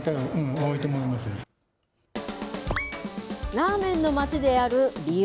ラーメンの町である理由